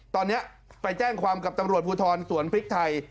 ตอนนี้ไปแจ้งความกับตำรวจภูทรสวนพริกไทย